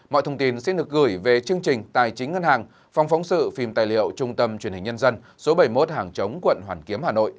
mọi thông tin xin được gửi về chương trình tài chính ngân hàng phòng phóng sự phim tài liệu trung tâm truyền hình nhân dân số bảy mươi một hàng chống quận hoàn kiếm hà nội